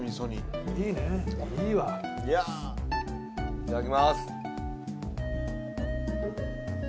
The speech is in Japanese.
いただきます。